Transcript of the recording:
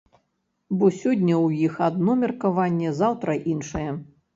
Бо сёння ў іх адно меркаванне, заўтра іншае.